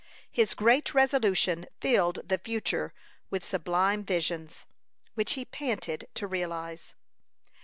His great resolution filled the future with sublime visions, which he panted to realize.